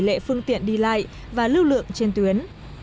cơ cấu về tỷ lệ phương tiện đi lại và lưu lượng trên tuyến